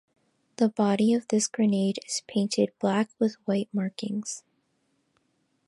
The body of this grenade is painted black with white markings.